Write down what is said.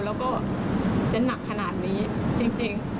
แล้วก็จะหนักขนาดนี้จริง